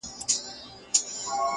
گرانه شاعره لږ څه يخ دى كنه!!